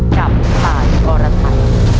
กับตายอรไทย